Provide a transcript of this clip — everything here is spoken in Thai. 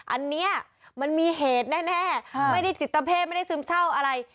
อันนี้มันมีเหตุแน่ไม่ได้จิตเพศไม่ได้ซึมเศร้าอะไร